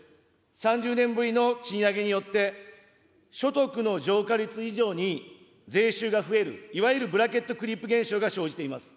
３０年ぶりの賃上げによって、所得の増加率以上に税収が増える、いわゆるブラケット・クリープ現象が生じています。